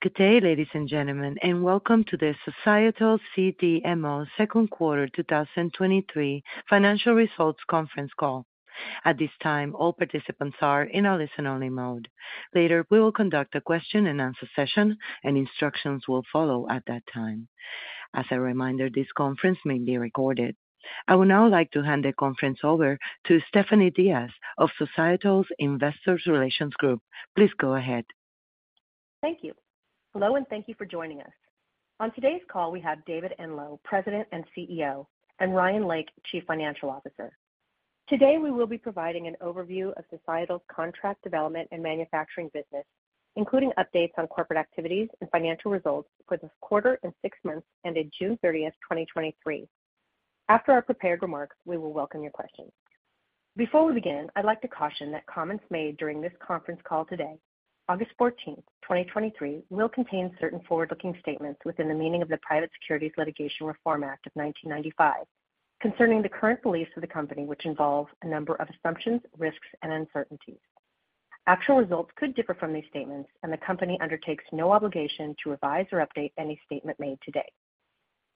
Good day, ladies and gentlemen, and welcome to the Societal CDMO second quarter 2023 Financial Results Conference Call. At this time, all participants are in a listen-only mode. Later, we will conduct a Q&A session, and instructions will follow at that time. As a reminder, this conference may be recorded. I would now like to hand the conference over to Stephanie Diaz of Societal's Investors Relations Group. Please go ahead. Thank you. Hello, and thank you for joining us. On today's call, we have David Enloe, President and Chief Executive Officer, and Ryan Lake, Chief Financial Officer. Today, we will be providing an overview of Societal's contract development and manufacturing business, including updates on corporate activities and financial results for the quarter and six months ended June 30, 2023. After our prepared remarks, we will welcome your questions. Before we begin, I'd like to caution that comments made during this conference call today, August 14, 2023 will contain certain forward-looking statements within the meaning of the Private Securities Litigation Reform Act of 1995, concerning the current beliefs of the Company, which involve a number of assumptions, risks and uncertainties. Actual results could differ from these statements, and the Company undertakes no obligation to revise or update any statement made today.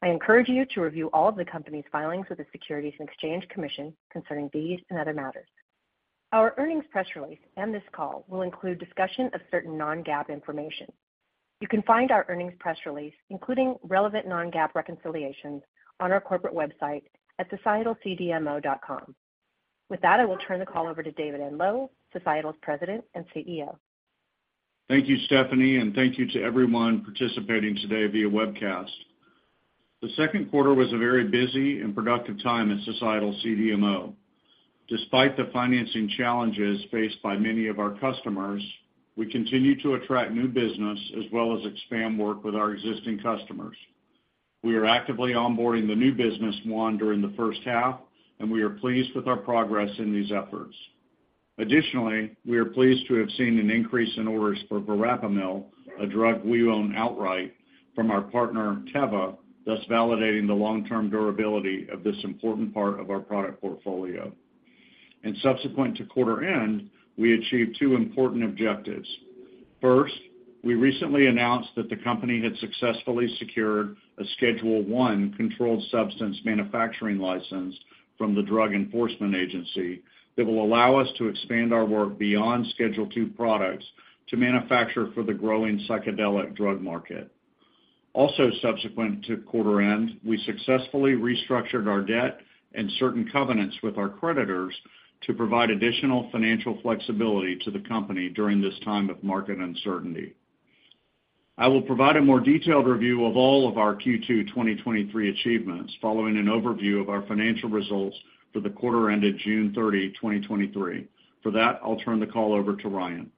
I encourage you to review all of the Company's filings with the Securities and Exchange Commission concerning these and other matters. Our earnings press release and this call will include discussion of certain non-GAAP information. You can find our earnings press release, including relevant non-GAAP reconciliations, on our corporate website at societalcdmo.com. With that, I will turn the call over to David Enloe, Societal's President and Chief Executive Officer. Thank you, Stephanie, and thank you to everyone participating today via webcast. The second quarter was a very busy and productive time at Societal CDMO. Despite the financing challenges faced by many of our customers, we continue to attract new business as well as expand work with our existing customers. We are actively onboarding the new business won during the first half, and we are pleased with our progress in these efforts. Additionally, we are pleased to have seen an increase in orders for verapamil, a drug we own outright from our partner, Teva, thus validating the long-term durability of this important part of our product portfolio. Subsequent to quarter end, we achieved two important objectives. First, we recently announced that the company had successfully secured a Schedule I controlled substance manufacturing license from the Drug Enforcement Administration that will allow us to expand our work beyond Schedule II products to manufacture for the growing psychedelic drug market. Subsequent to quarter end, we successfully restructured our debt and certain covenants with our creditors to provide additional financial flexibility to the company during this time of market uncertainty. I will provide a more detailed review of all of our Q2 2023 achievements following an overview of our financial results for the quarter ended June 30, 2023. I'll turn the call over to Ryan.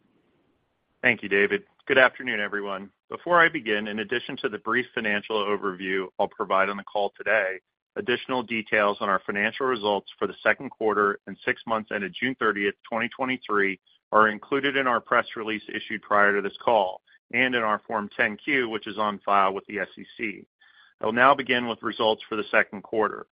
Thank you, David. Good afternoon, everyone. Before I begin, in addition to the brief financial overview I'll provide on the call today, additional details on our financial results for the second quarter and six months ended June 30, 2023, are included in our press release issued prior to this call and in our Form 10-Q, which is on file with the SEC. I will now begin with results for the second quarter.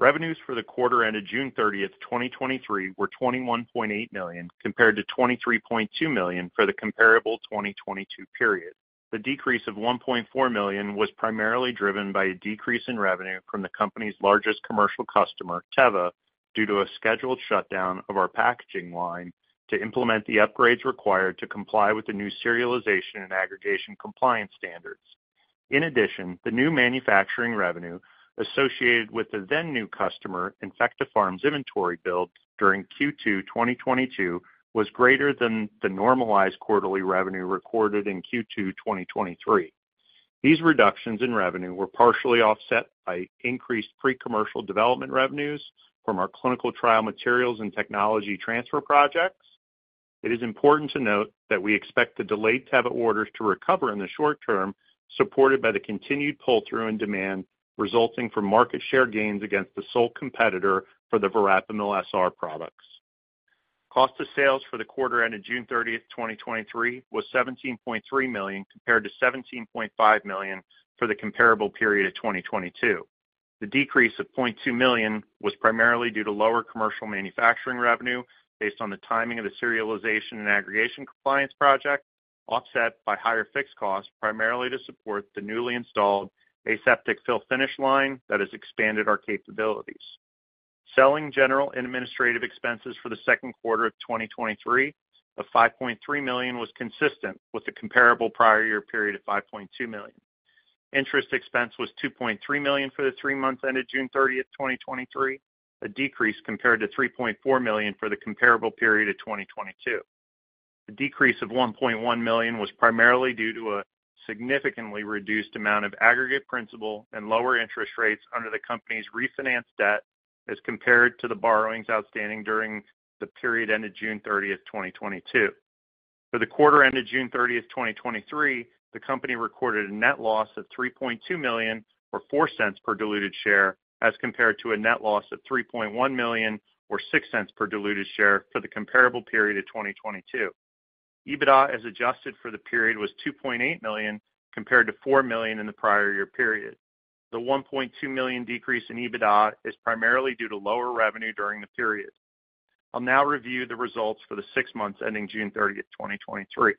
Revenues for the quarter ended June 30, 2023, were $21.8 million, compared to $23.2 million for the comparable 2022 period. The decrease of $1.4 million was primarily driven by a decrease in revenue from the company's largest commercial customer, Teva, due to a scheduled shutdown of our packaging line to implement the upgrades required to comply with the new serialization and aggregation compliance standards. In addition, the new manufacturing revenue associated with the then new customer, InfectoPharm's' inventory build during Q2 2022, was greater than the normalized quarterly revenue recorded in Q2 2023. These reductions in revenue were partially offset by increased pre-commercial development revenues from our clinical trial materials and technology transfer projects. It is important to note that we expect the delayed Teva orders to recover in the short term, supported by the continued pull-through in demand resulting from market share gains against the sole competitor for the Verapamil SR products. Cost of sales for the quarter ended June 30th, 2023, was $17.3 million, compared to $17.5 million for the comparable period of 2022. The decrease of $0.2 million was primarily due to lower commercial manufacturing revenue based on the timing of the serialization and aggregation compliance project, offset by higher fixed costs, primarily to support the newly installed aseptic fill-finish line that has expanded our capabilities. Selling, general, and administrative expenses for the second quarter of 2023 of $5.3 million was consistent with the comparable prior year period of $5.2 million. Interest expense was $2.3 million for the three months ended June 30, 2023, a decrease compared to $3.4 million for the comparable period of 2022. The decrease of $1.1 million was primarily due to a significantly reduced amount of aggregate principal and lower interest rates under the company's refinanced debt as compared to the borrowings outstanding during the period ended June 30, 2022. For the quarter ended June 30th, 2023, the company recorded a net loss of $3.2 million, or $0.04 per diluted share, as compared to a net loss of $3.1 million, or $0.06 per diluted share for the comparable period of 2022. EBITDA, as adjusted for the period, was $2.8 million, compared to $4 million in the prior year period. I'll now review the results for the six months ending June 30th, 2023.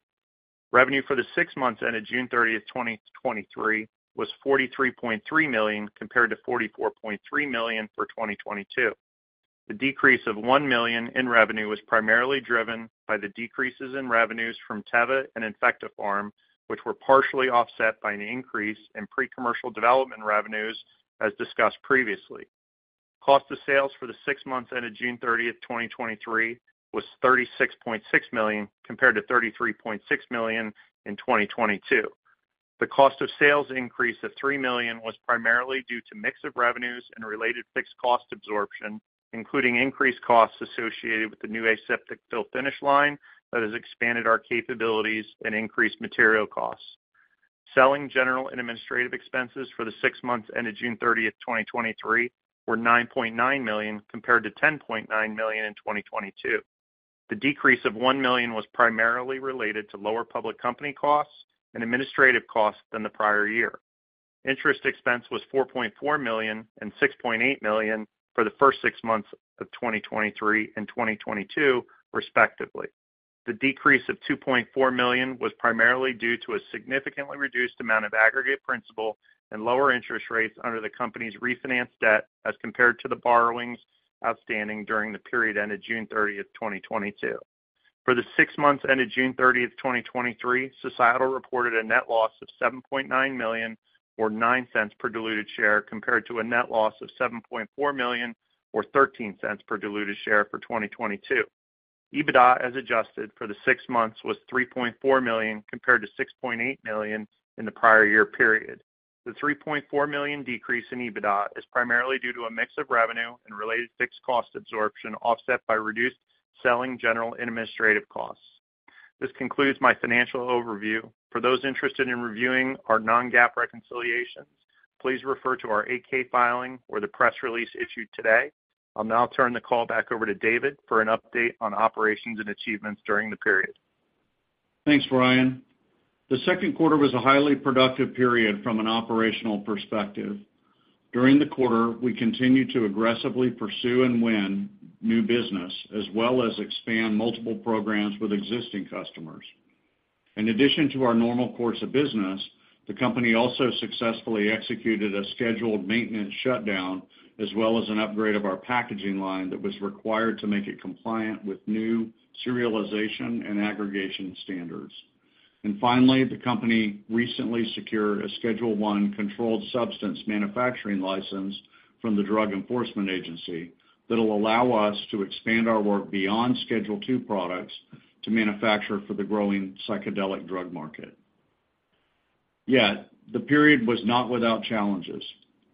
Revenue for the six months ended June 30th, 2023, was $43.3 million, compared to $44.3 million for 2022. The decrease of $1 million in revenue was primarily driven by the decreases in revenues from Teva and InfectoPharm, which were partially offset by an increase in pre-commercial development revenues, as discussed previously. Cost of sales for the six months ended June 30th, 2023, was $36.6 million, compared to $33.6 million in 2022. The cost of sales increase of $3 million was primarily due to mix of revenues and related fixed cost absorption, including increased costs associated with the new aseptic fill-finish line that has expanded our capabilities and increased material costs. Selling, general, and administrative expenses for the six months ended June 30th, 2023, were $9.9 million, compared to $10.9 million in 2022. The decrease of $1 million was primarily related to lower public company costs and administrative costs than the prior year. Interest expense was $4.4 million and $6.8 million for the first six months of 2023 and 2022, respectively. The decrease of $2.4 million was primarily due to a significantly reduced amount of aggregate principal and lower interest rates under the company's refinanced debt as compared to the borrowings outstanding during the period ended June 30, 2022. For the six months ended June 30, 2023, Societal reported a net loss of $7.9 million, or $0.09 per diluted share, compared to a net loss of $7.4 million, or $0.13 per diluted share for 2022. EBITDA as adjusted for the six months was $3.4 million, compared to $6.8 million in the prior year period. The $3.4 million decrease in EBITDA is primarily due to a mix of revenue and related fixed cost absorption, offset by reduced selling, general, and administrative costs. This concludes my financial overview. For those interested in reviewing our non-GAAP reconciliations, please refer to our Form 8-K filing or the press release issued today. I'll now turn the call back over to David for an update on operations and achievements during the period. Thanks, Ryan. The second quarter was a highly productive period from an operational perspective. During the quarter, we continued to aggressively pursue and win new business, as well as expand multiple programs with existing customers. In addition to our normal course of business, the company also successfully executed a scheduled maintenance shutdown, as well as an upgrade of our packaging line that was required to make it compliant with new serialization and aggregation standards. Finally, the company recently secured a Schedule I controlled substance manufacturing license from the Drug Enforcement Administration that'll allow us to expand our work beyond Schedule II products to manufacture for the growing psychedelic drug market. Yet, the period was not without challenges.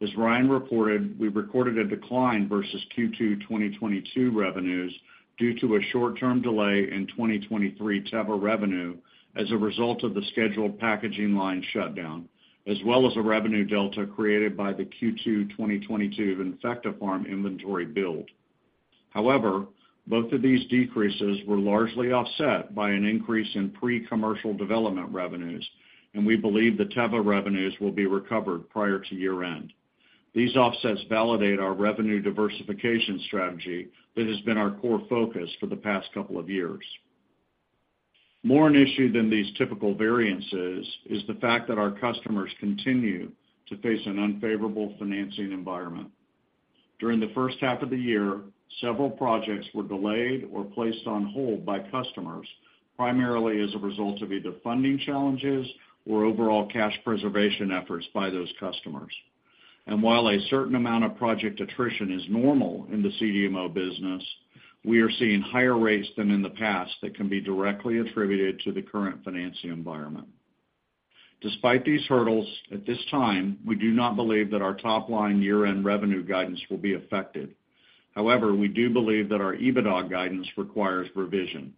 As Ryan reported, we recorded a decline versus Q2 2022 revenues due to a short-term delay in 2023 Teva revenue as a result of the scheduled packaging line shutdown, as well as a revenue delta created by the Q2 2022 InfectoPharm inventory build. Both of these decreases were largely offset by an increase in pre-commercial development revenues, and we believe the Teva revenues will be recovered prior to year-end. These offsets validate our revenue diversification strategy that has been our core focus for the past couple of years. More an issue than these typical variances is the fact that our customers continue to face an unfavorable financing environment. During the first half of the year, several projects were delayed or placed on hold by customers, primarily as a result of either funding challenges or overall cash preservation efforts by those customers. While a certain amount of project attrition is normal in the CDMO business, we are seeing higher rates than in the past that can be directly attributed to the current financing environment. Despite these hurdles, at this time, we do not believe that our top-line year-end revenue guidance will be affected. We do believe that our EBITDA guidance requires revision.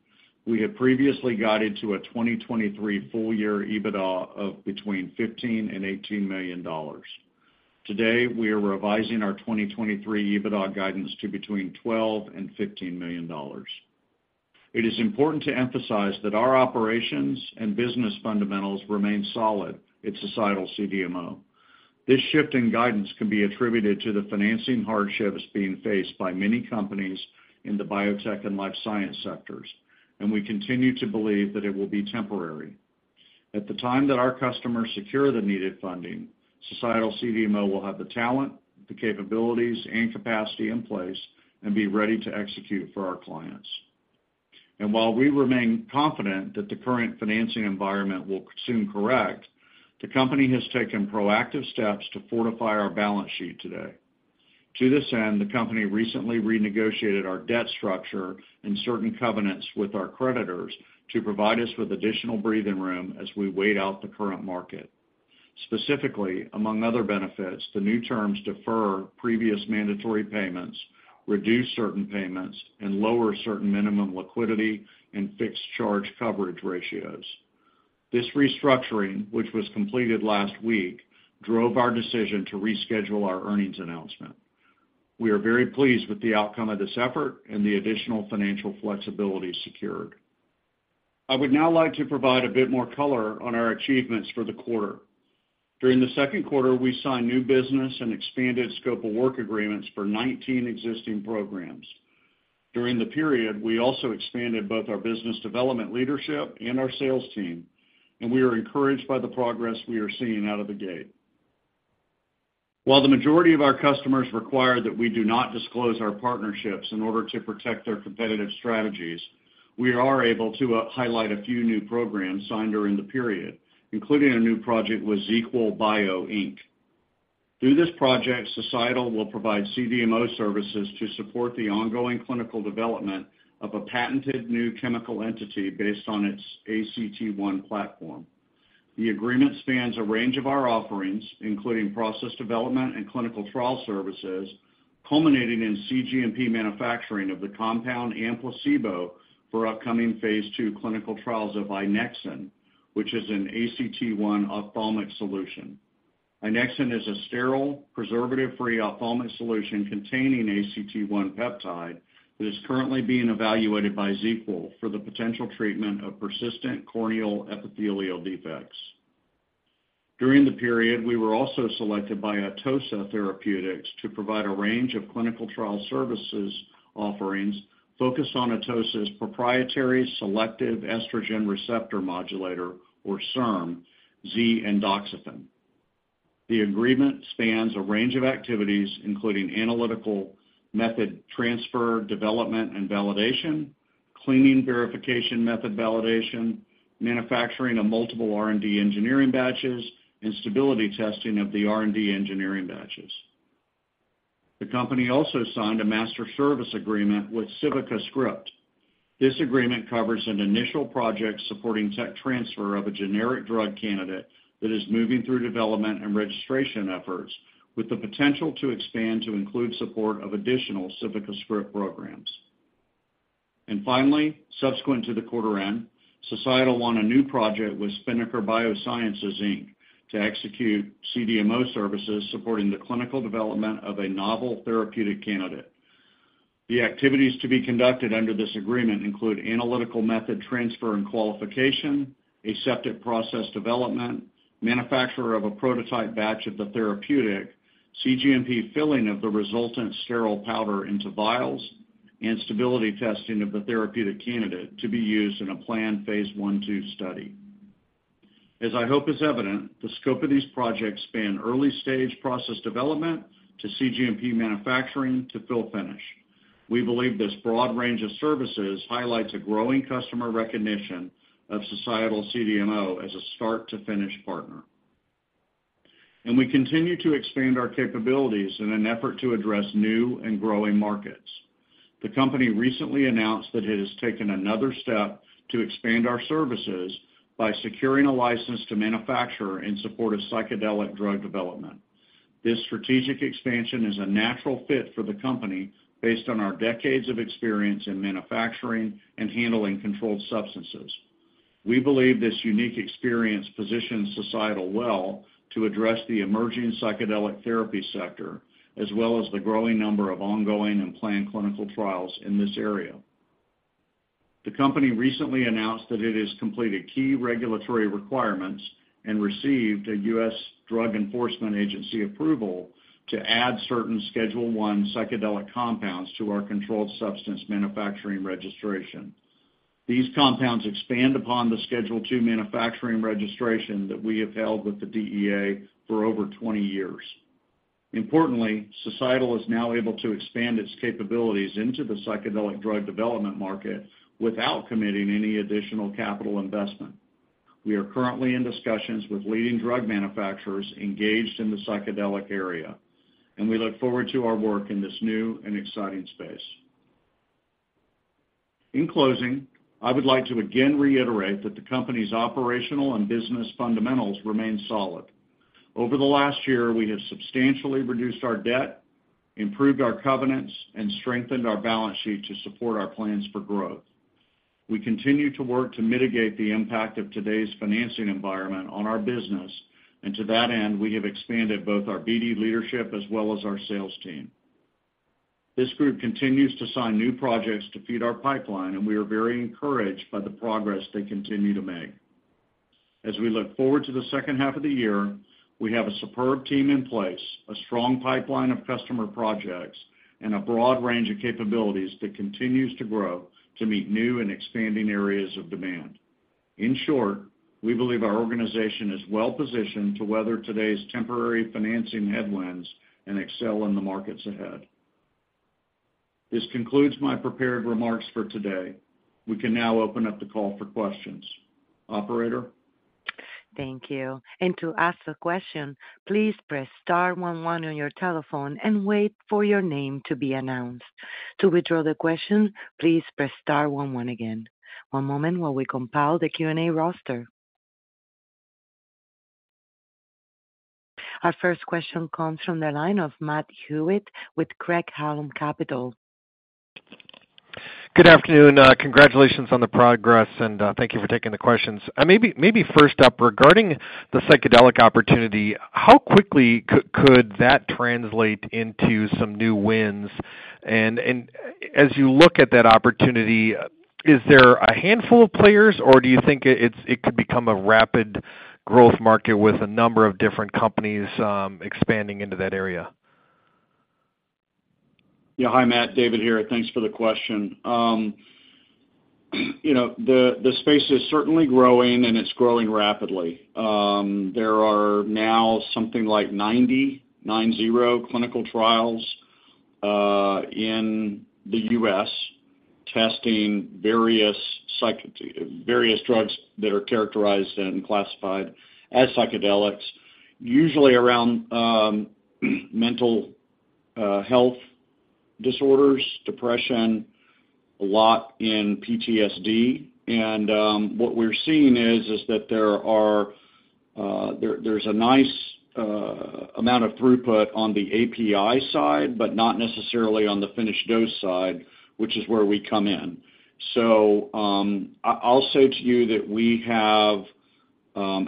We had previously guided to a 2023 full-year EBITDA of between $15 million and $18 million. Today, we are revising our 2023 EBITDA guidance to between $12 million and $15 million. It is important to emphasize that our operations and business fundamentals remain solid at Societal CDMO. This shift in guidance can be attributed to the financing hardships being faced by many companies in the biotech and life science sectors, and we continue to believe that it will be temporary. At the time that our customers secure the needed funding, Societal CDMO will have the talent, the capabilities, and capacity in place and be ready to execute for our clients. While we remain confident that the current financing environment will soon correct, the company has taken proactive steps to fortify our balance sheet today. To this end, the company recently renegotiated our debt structure and certain covenants with our creditors to provide us with additional breathing room as we wait out the current market. Specifically, among other benefits, the new terms defer previous mandatory payments, reduce certain payments, and lower certain minimum liquidity and fixed-charge coverage ratios. This restructuring, which was completed last week, drove our decision to reschedule our earnings announcement. We are very pleased with the outcome of this effort and the additional financial flexibility secured. I would now like to provide a bit more color on our achievements for the quarter. During the second quarter, we signed new business and expanded scope of work agreements for 19 existing programs. During the period, we also expanded both our business development leadership and our sales team, and we are encouraged by the progress we are seeing out of the gate. While the majority of our customers require that we do not disclose our partnerships in order to protect their competitive strategies, we are able to highlight a few new programs signed during the period, including a new project with Xequel Bio, Inc. Through this project, Societal will provide CDMO services to support the ongoing clinical development of a patented new chemical entity based on its ACT-1 platform. The agreement spans a range of our offerings, including process development and clinical trial services, culminating in cGMP manufacturing of the compound and placebo for upcoming Phase II clinical trials of Granexin, which is an ACT-1 ophthalmic solution. INEXION is a sterile, preservative-free ophthalmic solution containing ACT-1 peptide that is currently being evaluated by Xequel for the potential treatment of persistent corneal epithelial defects. During the period, we were also selected by Atossa Therapeutics to provide a range of clinical trial services offerings focused on Atossa's proprietary selective estrogen receptor modulator, or SERM, Z-endoxifen. The agreement spans a range of activities, including analytical method transfer, development and validation, cleaning verification method validation, manufacturing of multiple R&D engineering batches, and stability testing of the R&D engineering batches. The company also signed a Master Services Agreement with CivicaScript. This agreement covers an initial project supporting tech transfer of a generic drug candidate that is moving through development and registration efforts, with the potential to expand to include support of additional CivicaScript programs. Finally, subsequent to the quarter-end, Societal won a new project with Spinnaker Biosciences, Inc. to execute CDMO services supporting the clinical development of a novel therapeutic candidate. The activities to be conducted under this agreement include analytical method transfer and qualification, aseptic process development, manufacture of a prototype batch of the therapeutic, cGMP filling of the resultant sterile powder into vials, and stability testing of the therapeutic candidate to be used in a planned Phase I/II study. As I hope is evident, the scope of these projects span early-stage process development to cGMP manufacturing to fill-finish. We believe this broad range of services highlights a growing customer recognition of Societal CDMO as a start-to-finish partner. We continue to expand our capabilities in an effort to address new and growing markets. The company recently announced that it has taken another step to expand our services by securing a license to manufacture in support of psychedelic drug development. This strategic expansion is a natural fit for the company based on our decades of experience in manufacturing and handling controlled substances. We believe this unique experience positions Societal well to address the emerging psychedelic therapy sector, as well as the growing number of ongoing and planned clinical trials in this area. The company recently announced that it has completed key regulatory requirements and received a U.S. Drug Enforcement Administration approval to add certain Schedule I psychedelic compounds to our controlled substance manufacturing registration. These compounds expand upon the Schedule II manufacturing registration that we have held with the DEA for over 20 years. Importantly, Societal is now able to expand its capabilities into the psychedelic drug development market without committing any additional capital investment. We are currently in discussions with leading drug manufacturers engaged in the psychedelic area, and we look forward to our work in this new and exciting space. In closing, I would like to again reiterate that the company's operational and business fundamentals remain solid. Over the last year, we have substantially reduced our debt, improved our covenants, and strengthened our balance sheet to support our plans for growth. We continue to work to mitigate the impact of today's financing environment on our business, and to that end, we have expanded both our BD leadership as well as our sales team. This group continues to sign new projects to feed our pipeline, and we are very encouraged by the progress they continue to make. As we look forward to the second half of the year, we have a superb team in place, a strong pipeline of customer projects, and a broad range of capabilities that continues to grow to meet new and expanding areas of demand. In short, we believe our organization is well positioned to weather today's temporary financing headwinds and excel in the markets ahead. This concludes my prepared remarks for today. We can now open up the call for questions. Operator? Thank you. To ask a question, please press star one one on your telephone and wait for your name to be announced. To withdraw the question, please press star one one again. One moment while we compile the Q&A roster. Our first question comes from the line of Matt Hewitt with Craig-Hallum Capital. Good afternoon. Congratulations on the progress, and thank you for taking the questions. Maybe, maybe first up, regarding the psychedelic opportunity, how quickly could that translate into some new wins? As you look at that opportunity, is there a handful of players, or do you think it, it's, it could become a rapid growth market with a number of different companies, expanding into that area? Yeah. Hi, Matt, David here. Thanks for the question. You know, the, the space is certainly growing, and it's growing rapidly. There are now something like 90 clinical trials in the U.S. testing various drugs that are characterized and classified as psychedelics, usually around mental health disorders, depression, a lot in PTSD. What we're seeing is, is that there are, there, there's a nice amount of throughput on the API side, but not necessarily on the finished dose side, which is where we come in. I'll say to you that we have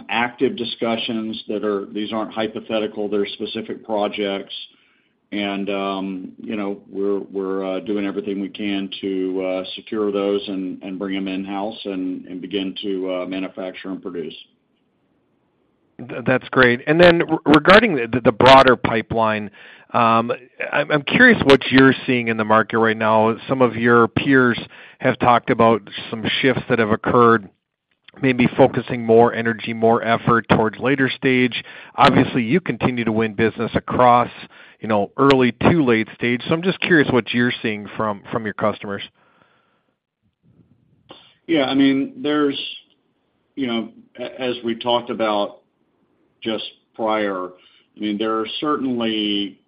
active discussions that are. These aren't hypothetical, they're specific projects, and, you know, we're doing everything we can to secure those and, and bring them in-house and, and begin to manufacture and produce. That's great. Then regarding the, the broader pipeline, I'm curious what you're seeing in the market right now. Some of your peers have talked about some shifts that have occurred, maybe focusing more energy, more effort towards later-stage. Obviously, you continue to win business across, you know, early to late stage. I'm just curious what you're seeing from, from your customers. Yeah, I mean, there's, you know, as we talked about just prior, I mean, there certainly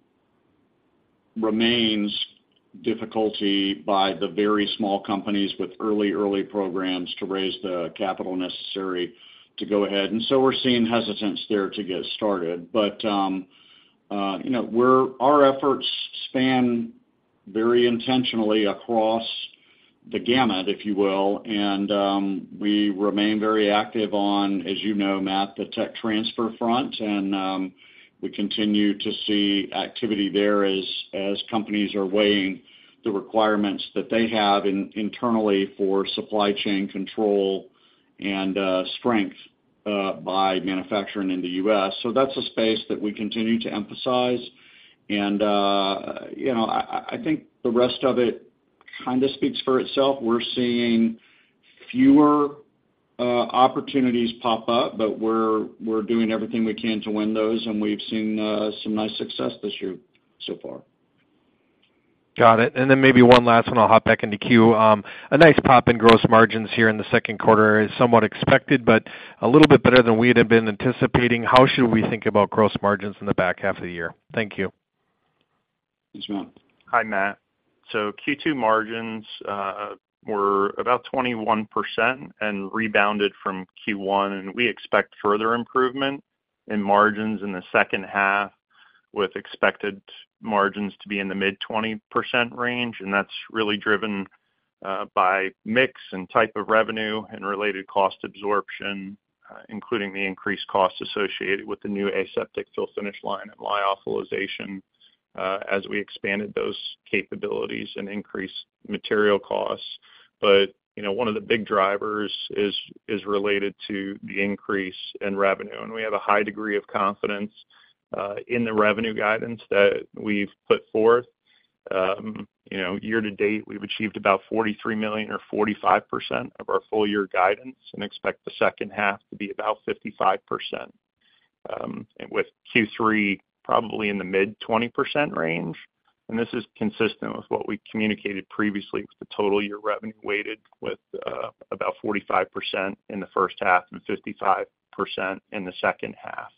remains difficulty by the very small companies with early programs to raise the capital necessary to go ahead, and so we're seeing hesitance there to get started. You know, our efforts span very intentionally across the gamut, if you will, and we remain very active on, as you know, Matt, the tech transfer front. We continue to see activity there as companies are weighing the requirements that they have internally for supply chain control and strength by manufacturing in the U.S. That's a space that we continue to emphasize. You know, I think the rest of it kind of speaks for itself. We're seeing fewer opportunities pop up, but we're doing everything we can to win those, and we've seen some nice success this year so far. Got it. Then maybe one last one, I'll hop back in the queue. A nice pop in gross margins here in the second quarter is somewhat expected, but a little bit better than we had been anticipating. How should we think about gross margins in the back half of the year? Thank you. Thanks, Matt. Hi, Matt. Q2 margins were about 21% and rebounded from Q1, and we expect further improvement in margins in the second half, with expected margins to be in the mid-20% range. That's really driven by mix and type of revenue and related cost absorption, including the increased costs associated with the new aseptic fill-finish line and lyophilization, as we expanded those capabilities and increased material costs. You know, one of the big drivers is related to the increase in revenue, and we have a high degree of confidence in the revenue guidance that we've put forth. You know, year-to-date, we've achieved about $43 million or 45% of our full year guidance and expect the second half to be about 55%, with Q3 probably in the mid-20% range. This is consistent with what we communicated previously with the total year revenue weighted, with about 45% in the first half and 55% in the second half.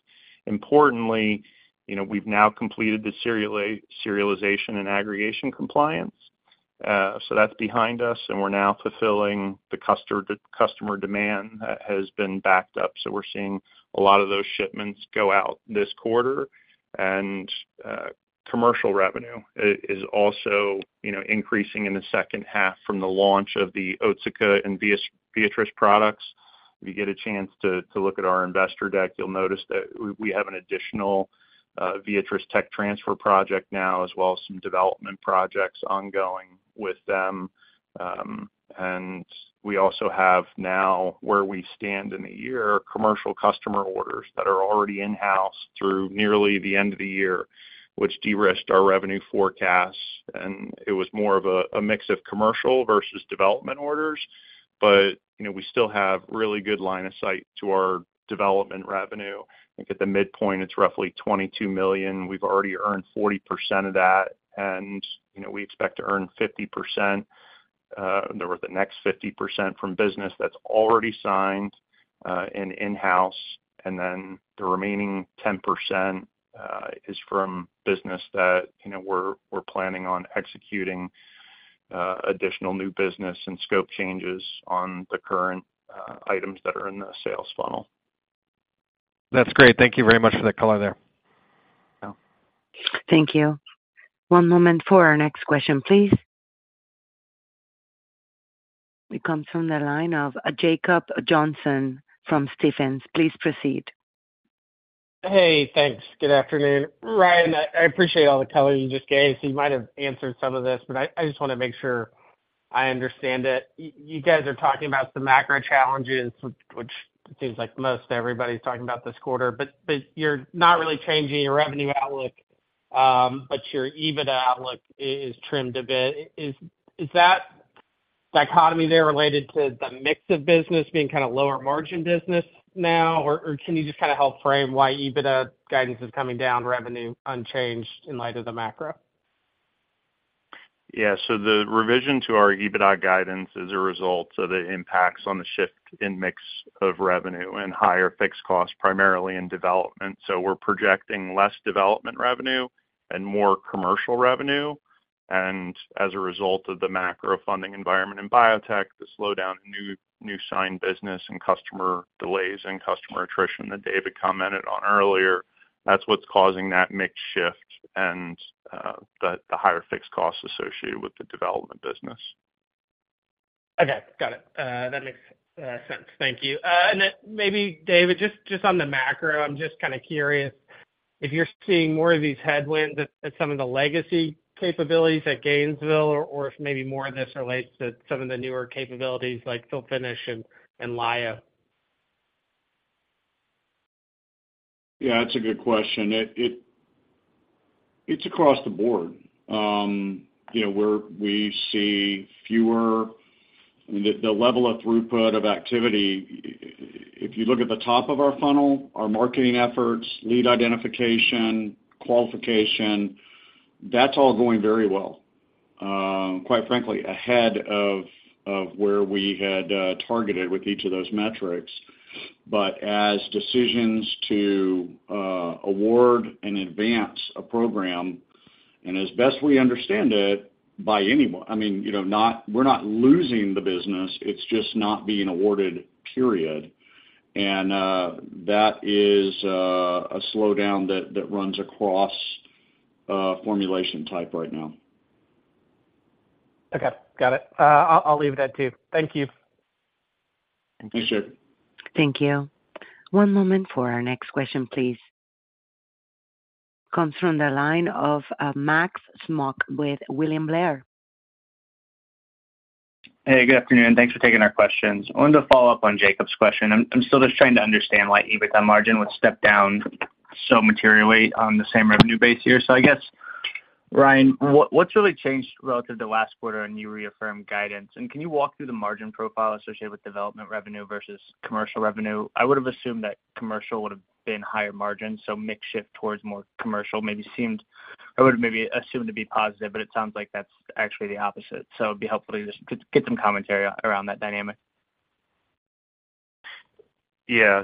Importantly, you know, we've now completed the serialization and aggregation compliance. That's behind us, and we're now fulfilling the customer demand that has been backed up. We're seeing a lot of those shipments go out this quarter. Commercial revenue is also, you know, increasing in the second half from the launch of the Otsuka and Viatris products. If you get a chance to look at our investor deck, you'll notice that we have an additional Viatris tech transfer project now, as well as some development projects ongoing with them. We also have now, where we stand in the year, commercial customer orders that are already in-house through nearly the end of the year, which de-risked our revenue forecasts, and it was more of a mix of commercial versus development orders. You know, we still have really good line of sight to our development revenue. I think at the midpoint, it's roughly $22 million. We've already earned 40% of that, you know, we expect to earn 50%, or the next 50% from business that's already signed and in-house. The remaining 10% is from business that, you know, we're planning on executing additional new business and scope changes on the current items that are in the sales funnel. That's great. Thank you very much for that color there. Yeah. Thank you. One moment for our next question, please. It comes from the line of Jacob Johnson from Stephens. Please proceed. Hey, thanks. Good afternoon. Ryan, I appreciate all the color you just gave, so you might have answered some of this, but I just want to make sure I understand it. You guys are talking about some macro challenges, which, which seems like most everybody's talking about this quarter, but you're not really changing your revenue outlook, but your EBITDA outlook is trimmed a bit. Is that dichotomy there related to the mix of business being kind of lower margin business now? Can you just kind of help frame why EBITDA guidance is coming down, revenue unchanged in light of the macro? Yeah. The revision to our EBITDA guidance is a result of the impacts on the shift in mix of revenue and higher fixed costs, primarily in development. So we're projecting less development revenue and more commercial revenue. As a result of the macro funding environment in biotech, the slowdown in new signed business and customer delays and customer attrition that David commented on earlier, that's what's causing that mix shift and the higher fixed costs associated with the development business. Okay, got it. That makes sense. Thank you. Then maybe, David, just on the macro, I'm just kind of curious if you're seeing more of these headwinds at some of the legacy capabilities at Gainesville, or if maybe more of this relates to some of the newer capabilities like fill-finish and lyo? Yeah, that's a good question. It across the board. you know, we see fewer- I mean, the, the level of throughput of activity, if you look at the top of our funnel, our marketing efforts, lead identification, qualification, that's all going very well. quite frankly, ahead of, of where we had targeted with each of those metrics. As decisions to award and advance a program, and as best we understand it, by anyone. I mean, you know, we're not losing the business, it's just not being awarded, period. That is a slowdown that, that runs across formulation type right now. Okay, got it. I'll leave it at 2. Thank you. Appreciate it. Thank you. One moment for our next question, please. Comes from the line of, Max Smock with William Blair. Hey, good afternoon, and thanks for taking our questions. I wanted to follow up on Jacob's question. I'm still just trying to understand why EBITDA margin would step down so materially on the same revenue base here. I guess, Ryan, what's really changed relative to last quarter, and you reaffirmed guidance? Can you walk through the margin profile associated with development revenue versus commercial revenue? I would have assumed that commercial would have been higher margin, so mix shift towards more commercial maybe seemed, I would maybe assume to be positive, but it sounds like that's actually the opposite. It'd be helpful to just get some commentary around that dynamic. Yeah.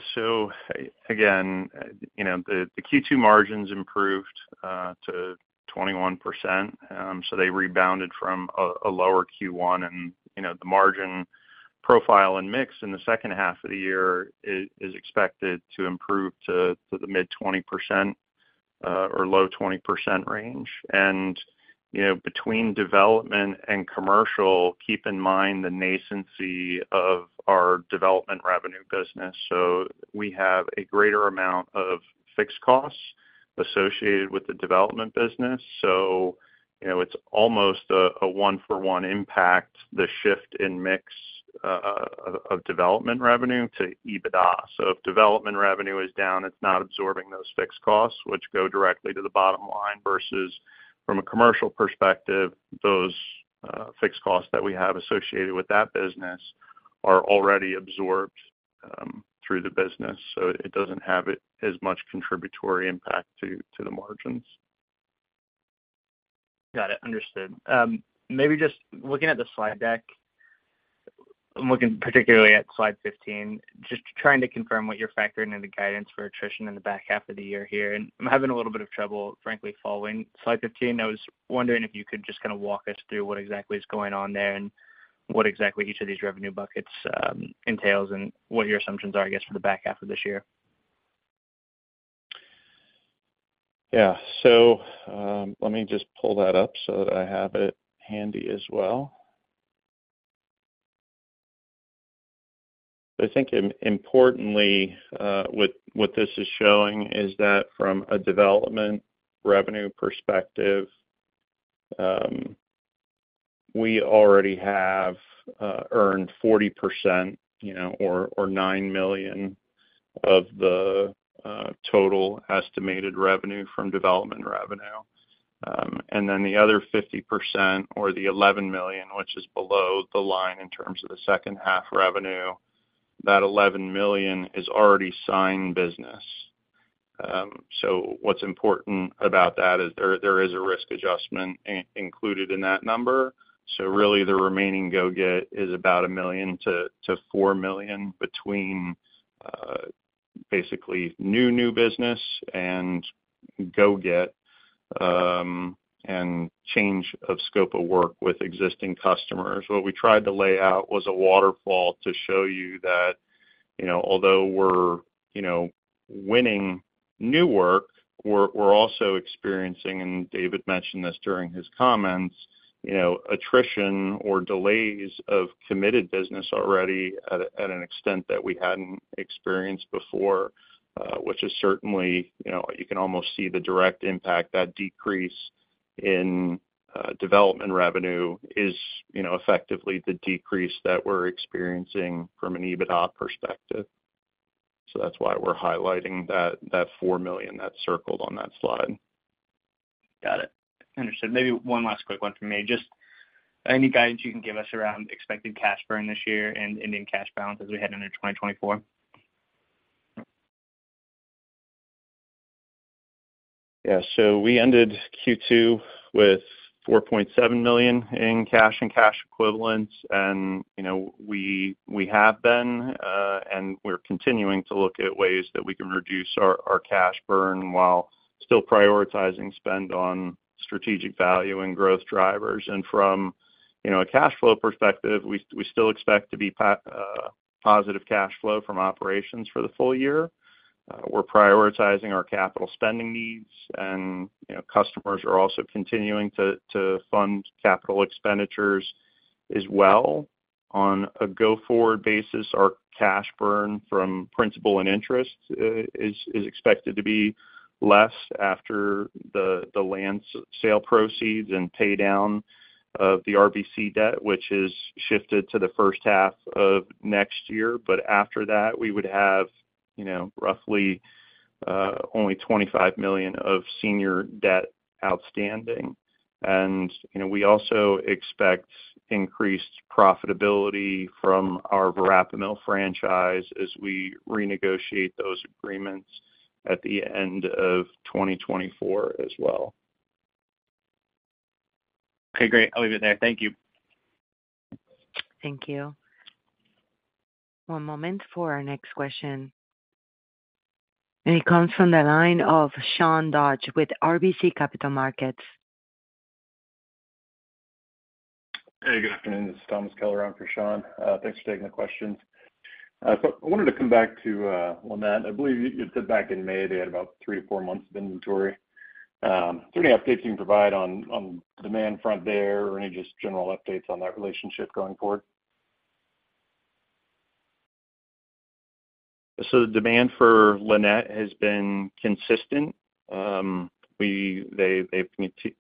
Again, you know, the Q2 margins improved to 21%. They rebounded from a lower Q1, and, you know, the margin profile and mix in the second half of the year is expected to improve to the mid-20% or low 20% range. You know, between development and commercial, keep in mind the nascency of our development revenue business. We have a greater amount of fixed costs associated with the development business. You know, it's almost a one-for-one impact, the shift in mix of development revenue to EBITDA. If development revenue is down, it's not absorbing those fixed costs, which go directly to the bottom line, versus from a commercial perspective, those fixed costs that we have associated with that business are already absorbed through the business, so it doesn't have as much contributory impact to, to the margins. Got it. Understood. Maybe just looking at the slide deck, I'm looking particularly at slide 15, just trying to confirm what you're factoring in the guidance for attrition in the back half of the year here. I'm having a little bit of trouble, frankly, following slide 15. I was wondering if you could just kind of walk us through what exactly is going on there and what exactly each of these revenue buckets entails, and what your assumptions are, I guess, for the back half of this year. Yeah. Let me just pull that up so that I have it handy as well. I think importantly, what this is showing is that from a development revenue perspective, we already have earned 40%, you know, or $9 million of the total estimated revenue from development revenue. Then the other 50% or the $11 million, which is below the line in terms of the second half revenue, that $11 million is already signed business. What's important about that is there is a risk adjustment included in that number. Really, the remaining go-get is about $1 million-$4 million between basically new business and go-get and change of scope of work with existing customers. What we tried to lay out was a waterfall to show you that you know, although we're, you know, winning new work, we're also experiencing, and David mentioned this during his comments, you know, attrition or delays of committed business already at an extent that we hadn't experienced before, which is certainly, you know, you can almost see the direct impact. That decrease in development revenue is, you know, effectively the decrease that we're experiencing from an EBITDA perspective. That's why we're highlighting that $4 million that's circled on that slide. Got it. Understood. Maybe one last quick one from me. Just any guidance you can give us around expected cash burn this year and ending cash balance as we head into 2024? Yeah. We ended Q2 with $4.7 million in cash and cash equivalents. You know, we, we have been, and we're continuing to look at ways that we can reduce our, our cash burn while still prioritizing spend on strategic value and growth drivers. From, you know, a cash flow perspective, we, we still expect to be positive cash flow from operations for the full year. We're prioritizing our capital spending needs, and, you know, customers are also continuing to fund capital expenditures as well. On a go-forward basis, our cash burn from principal and interest is expected to be less after the land sale proceeds and pay down of the RBC debt, which is shifted to the first half of next year. After that, we would have, you know, roughly, only $25 million of senior debt outstanding. You know, we also expect increased profitability from our verapamil franchise as we renegotiate those agreements at the end of 2024 as well. Okay, great. I'll leave it there. Thank you. Thank you. One moment for our next question. It comes from the line of Sean Dodge with RBC Capital Markets. Hey, good afternoon. This is Thomas Keller on for Sean. Thanks for taking the questions. I wanted to come back to Lannett. I believe you said back in May, they had about three to four months of inventory. Any updates you can provide on, on demand front there, or any just general updates on that relationship going forward? The demand for Lannett has been consistent they've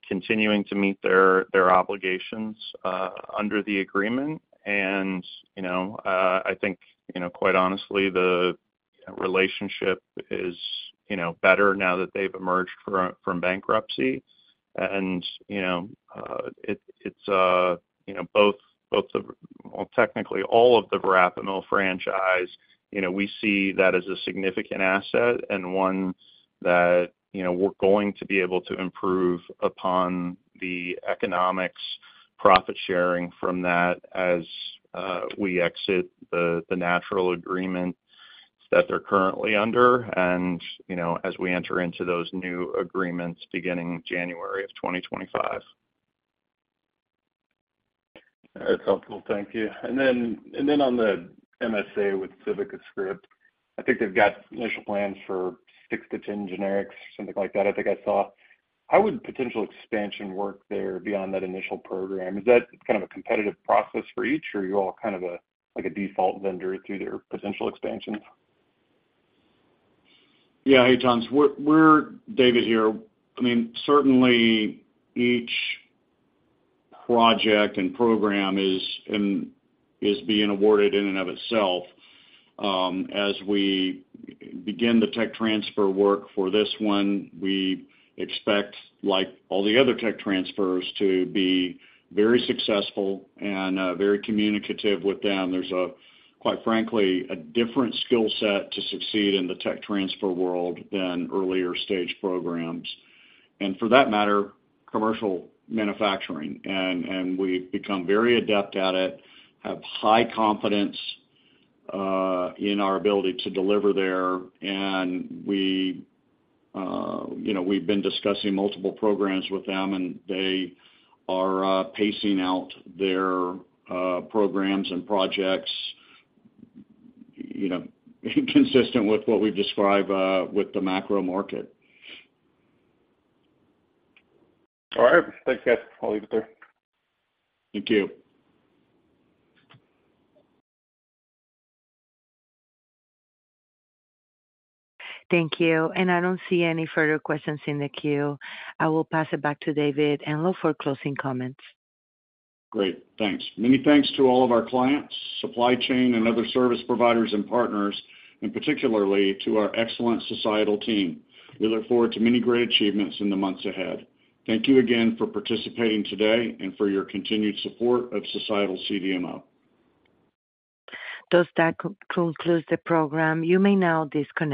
continuing to meet their obligations under the agreement, you know, I think, you know, quite honestly, the relationship is, you know, better now that they've emerged from, from bankruptcy. you know, it, it's, you know, Well, technically, all of the verapamil franchise, you know, we see that as a significant asset and one that, you know, we're going to be able to improve upon the economics profit sharing from that as we exit the, the natural agreement that they're currently under, you know, as we enter into those new agreements beginning January 2025. That's helpful. Thank you. Then, and then on the MSA with CivicaScript, I think they've got initial plans for six-10 generics, something like that, I think I saw. How would potential expansion work there beyond that initial program? Is that kind of a competitive process for each, or are you all kind of a, like a default vendor through their potential expansions? Yeah. Hey, Thomas, we're David here. I mean, certainly each project and program is being awarded in and of itself. As we begin the tech transfer work for this one, we expect, like all the other tech transfers, to be very successful and very communicative with them. There's a, quite frankly, a different skill set to succeed in the tech transfer world than earlier stage programs, and for that matter, commercial manufacturing. And we've become very adept at it, have high confidence in our ability to deliver there. We, you know, we've been discussing multiple programs with them, and they are pacing out their programs and projects, you know, consistent with what we describe with the macro market. All right. Thanks, guys. I'll leave it there. Thank you. Thank you. I don't see any further questions in the queue. I will pass it back to David Enloe for closing comments. Great. Thanks. Many thanks to all of our clients, supply chain, and other service providers and partners, and particularly to our excellent Societal team. We look forward to many great achievements in the months ahead. Thank you again for participating today and for your continued support of Societal CDMO. That concludes the program. You may now disconnect.